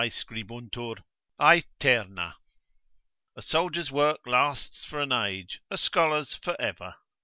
scribuntur, aeterna: a soldier's work lasts for an age, a scholar's for ever.